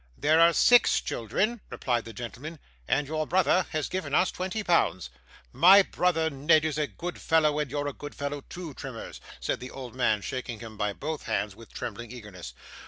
'There are six children,' replied the gentleman, 'and your brother has given us twenty pounds.' 'My brother Ned is a good fellow, and you're a good fellow too, Trimmers,' said the old man, shaking him by both hands with trembling eagerness.